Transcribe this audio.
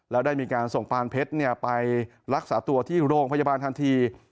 แล้วได้มีการส่งปานเพชรไปรักษาตัวที่โรงพยาบาลทันที